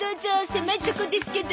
狭いとこですけど。